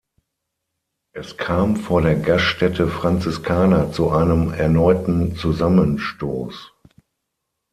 Es kam vor der Gaststätte Franziskaner zu einem erneuten Zusammenstoß.